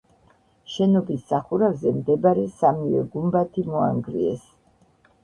შენობის სახურავზე მდებარე სამივე გუმბათი მოანგრიეს.